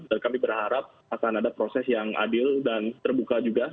dan kami berharap akan ada proses yang adil dan terbuka juga